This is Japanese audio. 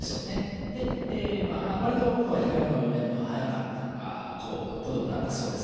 で割と僕は平仮名を読めるのが早かった子供だったそうです